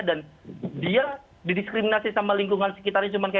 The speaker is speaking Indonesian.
dan dia didiskriminasi sama lingkungan sekitar dengan kalimat cacat